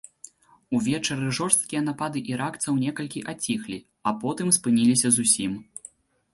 Увечары жорсткія напады іракцаў некалькі аціхлі, а потым спыніліся зусім.